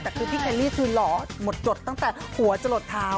แต่คือพี่เคลลี่คือหล่อหมดจดตั้งแต่หัวจะหลดเท้า